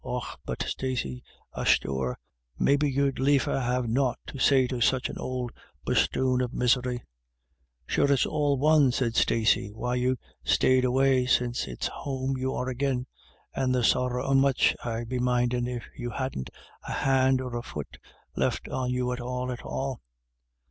Och, but, Stacey asthore, maybe you'd liefer have nought to say to such an ould bosthoon of misery ?"" Sure it's all one," said Stacey, " why you sted away, since it's home you are agin ; and the sorra a much I'd be mindin' if you hadn't a hand or a fut left on you at all, at all."